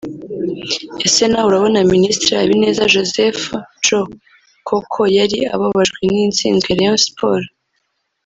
Ese nawe urabona Minisitiri Habineza Joseph (Joe) koko yari ababajwe n’ intsinzwi ya Rayon Sports